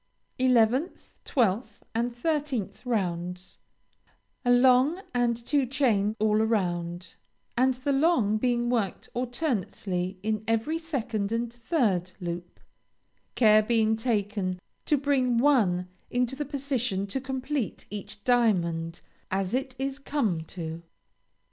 11th, 12th, and 13th rounds A long and two chain all round, and the long being worked alternately in every second and third loop; care being taken to bring one into the position to complete each diamond as it is come to.